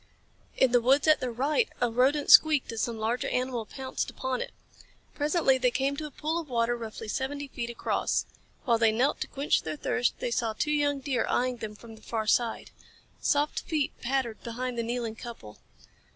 In the woods at their right a rodent squeaked as some larger animal pounced upon it. Presently they came to a pool of water roughly seventy feet across. While they knelt to quench their thirst they saw two young deer eyeing them from the far side. Soft feet pattered behind the kneeling couple.